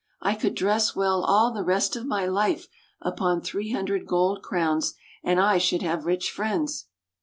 I could dress well all the rest of my life upon three hundred gold crowns, and I should have rich friends.